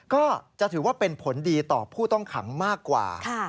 ก็จะถือว่าเป็นผลดีต่อผู้ต้องขังมากกว่า